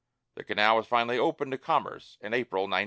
The canal was finally opened to commerce in April, 1916.